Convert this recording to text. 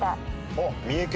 おっ三重県！